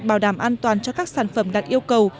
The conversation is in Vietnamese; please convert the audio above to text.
bảo đảm an toàn cho các sản phẩm đạt yêu cầu